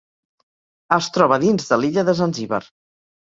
Es troba dins de l'illa de Zanzíbar.